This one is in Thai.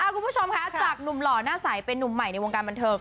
คุณผู้ชมคะจากหนุ่มหล่อหน้าใสเป็นนุ่มใหม่ในวงการบันเทิง